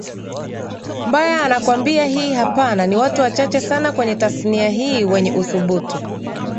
mbaya anakuambia hii hapana Ni watu wachache sana kwenye tasnia hii wenye uthubutu